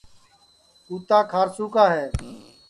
کُوتا کھارسو کا ہے